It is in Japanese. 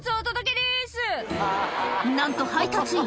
なんと配達員